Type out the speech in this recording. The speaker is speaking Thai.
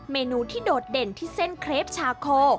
เมนูที่โดดเด่นที่เส้นเครปชาโค